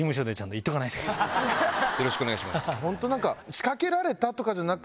よろしくお願いします。